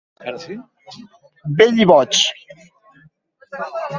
Vell i boig.